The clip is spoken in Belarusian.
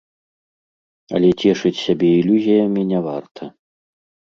Але цешыць сябе ілюзіямі не варта.